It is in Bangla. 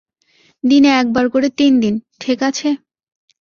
দিনে একবার করে তিনদিন, ঠিক আছে?